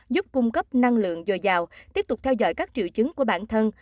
giúp cung cấp năng lượng dồi dào tiếp tục theo dõi các triệu chứng của bản thân